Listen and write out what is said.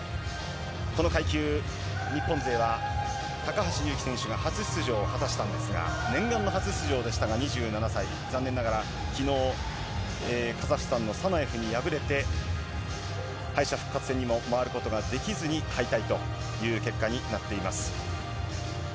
この階級、日本勢は高橋侑希選手が初出場を果たしたんですが、念願の初出場でしたが、２７歳、残念ながらきのう、カザフスタンのサナエフに敗れて、敗者復活戦にも回ることができずに敗退という結果になっています。